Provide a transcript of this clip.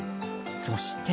そして。